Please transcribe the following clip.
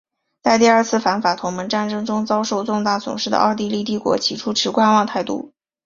在第二次反法同盟战争中遭受重大损失的奥地利帝国起初持观望态度。